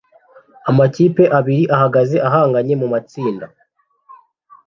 Amakipe abiri ahagaze ahanganye mumatsinda